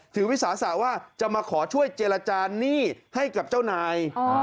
ถือวิสาศักดิ์ว่าจะมาขอช่วยเจรจานี่ให้กับเจ้านาย